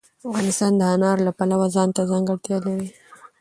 افغانستان د انار د پلوه ځانته ځانګړتیا لري.